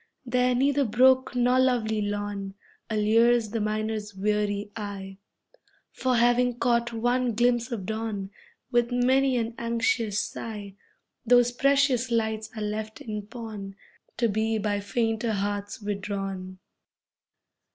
There neither brook nor lovely lawn Allures the miner's weary eye, For, having caught one glimpse of dawn, With many an anxious sigh, Those precious lights are left in pawn To be by fainter hearts withdrawn.